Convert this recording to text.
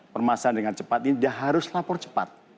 permasalahan dengan cepat ini dia harus lapor cepat